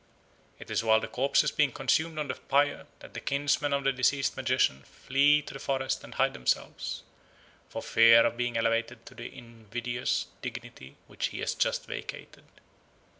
It is while the corpse is being consumed on the pyre that the kinsmen of the deceased magician flee to the forest and hide themselves, for fear of being elevated to the invidious dignity which he has just vacated.